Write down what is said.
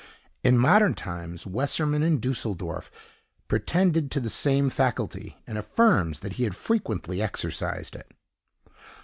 In modern times, Wesermann, in Dusseldorf, pretended to the same faculty, and affirms that he had frequently exercised it.